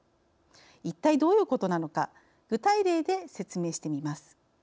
一体どういうことなのか具体例で説明してみます。